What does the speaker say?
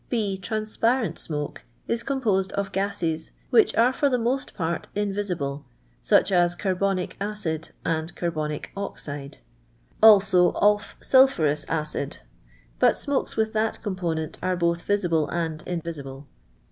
B. Tramparfnt smoke is composed of gases which are for the most part invisible, such as car bonic acid and carbonic oxide ; also of sulphurous acid, but smokes with that component are both visible and invisible.